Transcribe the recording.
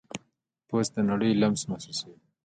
پوست د نړۍ لمس محسوسوي.